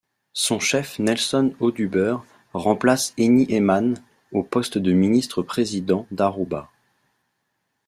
Son chef Nelson Oduber remplace Henny Eman au poste de Ministre-président d'Aruba.